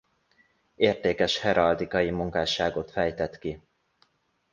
Értékes heraldikai munkásságot fejtett ki.